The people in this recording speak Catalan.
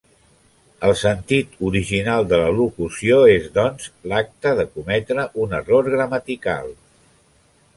El sentit original de la locució és, doncs, l'acte de cometre un error gramatical.